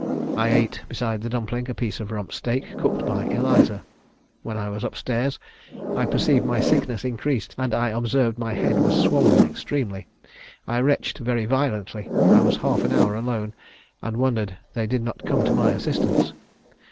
I ate, beside the dumpling, a piece of rump steak cooked by Eliza. When I was up stairs I perceived my sickness increased, and I observed my head was swollen extremely. I retched very violently: I was half an hour alone, and wondered they did not come to my assistance.